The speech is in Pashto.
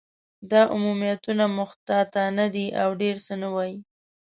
دا عمومیتونه محتاطانه دي، او ډېر څه نه وايي.